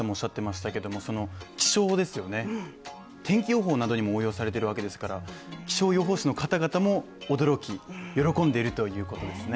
気象、天気予報などにも応用されているわけですから、気象予報士の方々も驚き、喜んでいるということですね。